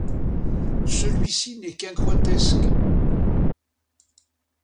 Celui-ci n'est qu'un grotesque.